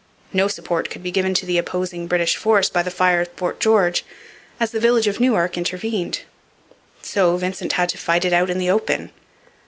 No support could be given to the opposing British force by the fire of Fort George, as the village of Newark intervened. So Vincent had to fight it out in the open.